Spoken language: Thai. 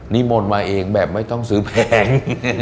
นิมนต์มาเองแบบไม่ต้องซื้อแพง